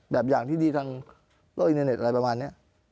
แบบอย่างที่ดีทางโลกอินเทอร์เน็ตอะไรประมาณนี้